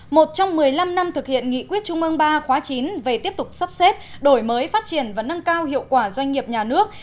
một trong một mươi năm năm thực hiện nghị quyết trung ương ba khóa chín về tiếp tục sắp xếp đổi mới phát triển và nâng cao hiệu quả doanh nghiệp nhà nước